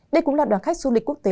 đây cũng là đoàn khách du lịch quốc tế